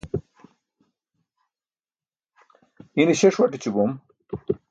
ine śe ṣuaṭ eću bom